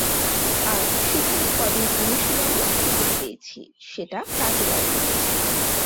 আর সেখানে কদিন অনুশীলনের সুযোগ পেয়েছি, সেটা কাজে লাগিয়েছি।